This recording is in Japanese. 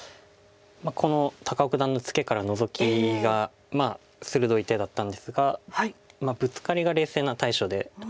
この高尾九段のツケからノゾキが鋭い手だったんですがブツカリが冷静な対処で。